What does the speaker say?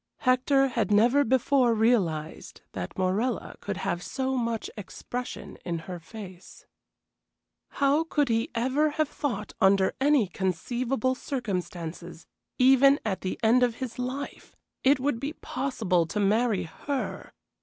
Hector had never before realized that Morella could have so much expression in her face. How could he ever have thought under any conceivable circumstances, even at the end of his life, it would be possible to marry her!